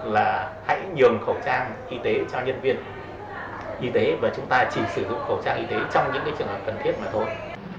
là hãy nhường khẩu trang y tế cho nhân viên y tế và chúng ta chỉ sử dụng khẩu trang y tế trong những trường hợp cần thiết mà thôi